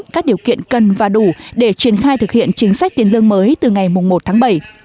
các điều kiện cần và đủ để triển khai thực hiện chính sách tiền lương mới từ ngày một tháng bảy